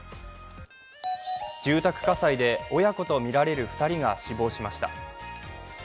住宅火災で親子とみられる２人が死亡しました。